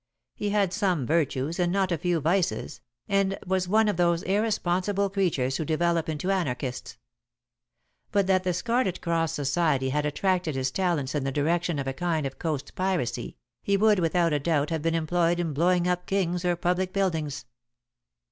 He had some virtues and not a few vices, and was one of those irresponsible creatures who develop into Anarchists. But that the Scarlet Cross Society had attracted his talents in the direction of a kind of coast piracy, he would without doubt have been employed in blowing up kings or public buildings.